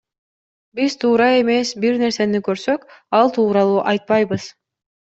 Биз туура эмес бир нерсени көрсөк, ал тууралуу айтпайбыз.